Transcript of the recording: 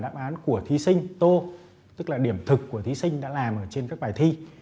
đáp án của thí sinh tố tức là điểm thực của thí sinh đã làm trên các bài thi